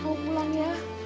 kamu pulang ya